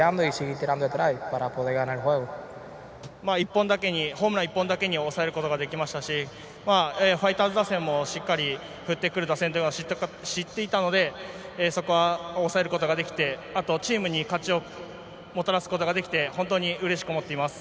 １本だけにホームラン１本だけに抑えることができましたしファイターズ打線も、しっかり振ってくる打線というのは知っていたのでそこを抑えることができてあと、チームに勝ちをもたらすことができて本当にうれしく思っています。